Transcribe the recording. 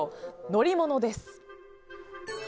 乗り物です。